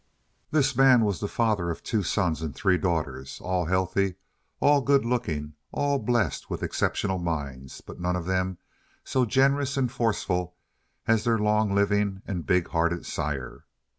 This man was the father of two sons and three daughters, all healthy, all good looking, all blessed with exceptional minds, but none of them so generous and forceful as their long living and big hearted sire.